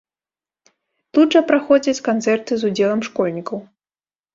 Тут жа праходзяць канцэрты з удзелам школьнікаў.